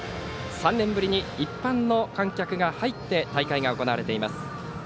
３年ぶりに一般の観客が入って大会が行われています。